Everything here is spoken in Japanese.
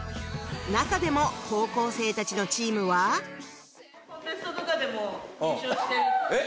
中でも高校生たちのチームはあっえっ！